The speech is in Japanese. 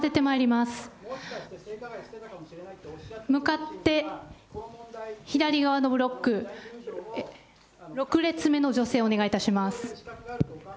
向かって左側のブロック、６列目の女性、お願いします。